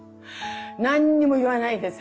何にも言わないでさ。